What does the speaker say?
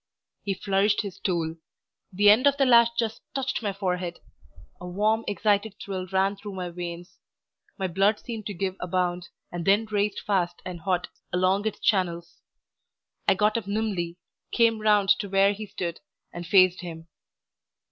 He flourished his tool. The end of the lash just touched my forehead. A warm excited thrill ran through my veins, my blood seemed to give a bound, and then raced fast and hot along its channels. I got up nimbly, came round to where he stood, and faced him.